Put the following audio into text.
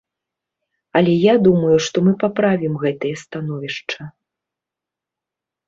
Але я думаю, што мы паправім гэтае становішча.